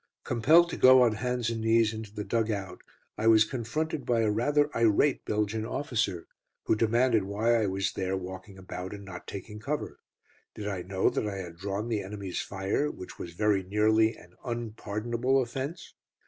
Compelled to go on hands and knees into the dug out, I was confronted by a rather irate Belgian officer, who demanded why I was there walking about and not taking cover. Did I know that I had drawn the enemy's fire, which was very nearly an unpardonable offence?